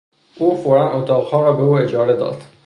او فورا اتاقها را به او اجاره داد.